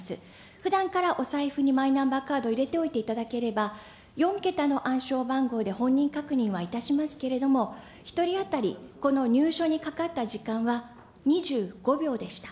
ふだんからお財布にマイナンバーカードを入れておいていただければ、４桁の暗証番号で本人確認はいたしますけれども、１人当たりこの入所にかかった時間は、２５秒でした。